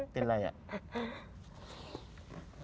เป็นไรอ่ะ